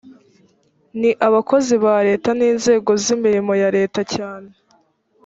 ni abakozi ba leta n’ inzego z’ imirimo ya leta cyane